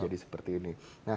jadi seperti ini